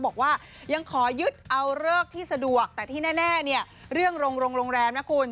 บอกว่ายังขอยึดเอาเลิกที่สะดวกแต่ที่แน่เนี่ยเรื่องโรงแรมนะคุณ